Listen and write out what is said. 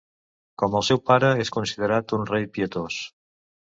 Com el seu pare és considerat un rei pietós.